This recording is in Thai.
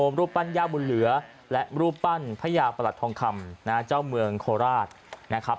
รูปปั้นย่าบุญเหลือและรูปปั้นพระยาประหลัดทองคำนะฮะเจ้าเมืองโคราชนะครับ